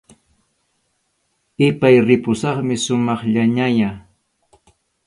Ipay, ripusaqmi sumaqllañayá